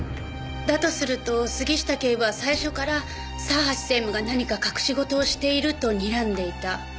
だとすると杉下警部は最初から佐橋専務が何か隠し事をしているとにらんでいた。